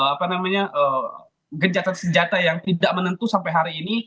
apa namanya gencatan senjata yang tidak menentu sampai hari ini